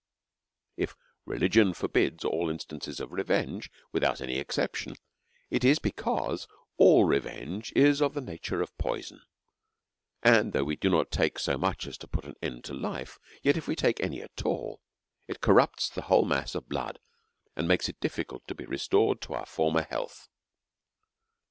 If religion forbids all instances of revenge without any exception, it is because all revenge is of the na ture of poison ; and though we do not take so much as to put an end to life, yet, if we take any at all, it corrupts the whole mass of blood, and makes it diffi cult to be restored to our former health.